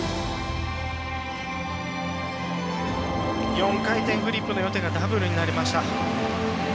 ４回転フリップの予定がダブルになりました。